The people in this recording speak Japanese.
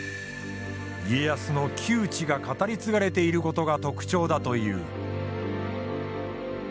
家康の窮地が語り継がれていることが特徴だという。